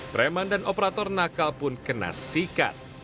preman dan operator nakal pun kena sikat